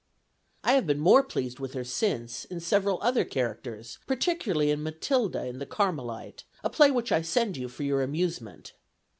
"I have been more pleased with her since, in several other characters, particularly in Matilda in 'The Carmelite,' a play which I send you for your amusement.